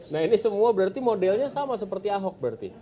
nah ini semua berarti modelnya sama seperti ahok berarti